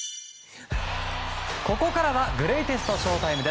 ここからはグレイテストＳＨＯ‐ＴＩＭＥ！